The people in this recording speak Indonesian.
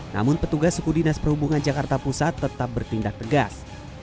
namun petugas suku dinas perhubungan jakarta pusat tetap bertindak tegas